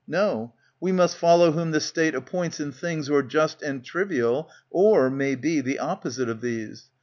No ! we must follow whom the State appoints In things or just and trivial, or, may be, The opposite of these.